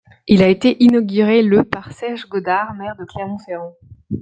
Il a été inauguré le par Serge Godard, maire de Clermont-Ferrand.